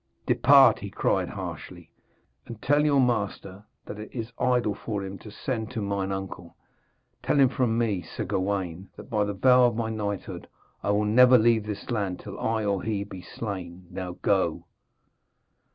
'Depart!' he cried harshly, 'and tell your master that it is idle for him to send to mine uncle. Tell him from me, Sir Gawaine, that by the vow of my knighthood, I will never leave this land till I or he be slain. Now go!'